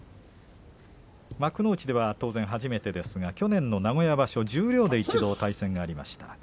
幕内では当然初めてですが去年の名古屋場所十両で一度対戦がありました。